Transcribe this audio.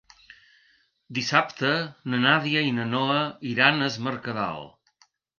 Dissabte na Nàdia i na Noa iran a Es Mercadal.